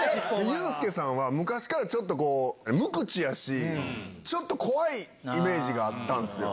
ユースケさんは、昔からちょっと無口やし、ちょっと怖いイメージがあったんですよ。